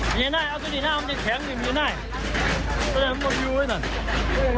มีไงน่ะเอาที่นี่น่ะเอามันจะแข็งดิมีไงมันมาพิวไว้หน่อย